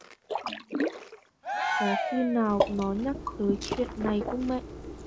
Có khi nào nó nhắc tới chuyện này không mẹ